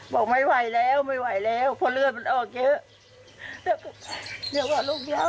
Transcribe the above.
บอกไม่ไหวแล้วไม่ไหวแล้วเพราะเลือดมันออกเยอะเรียกว่าลูกเยอะ